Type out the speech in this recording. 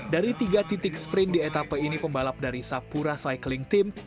dari tiga titik sprint di etape ini pembalap dari sapura cycling team